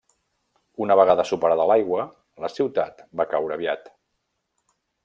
Una vegada superada l'aigua, la ciutat va caure aviat.